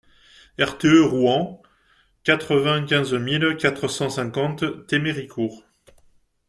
RTE ROUEN, quatre-vingt-quinze mille quatre cent cinquante Théméricourt